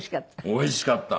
おいしかった。